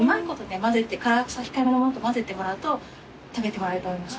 辛さ控えめのものと混ぜてもらうと食べてもらえると思います。